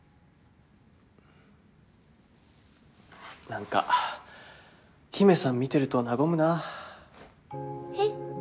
何か陽芽さん見てると和むなえっ？